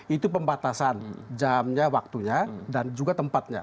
itu pembatasan jamnya waktunya dan juga tempatnya